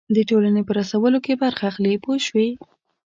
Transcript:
د ټولنې په رسولو کې برخه اخلي پوه شوې!.